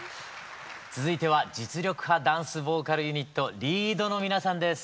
続いては実力派ダンスボーカルユニットＬｅａｄの皆さんです。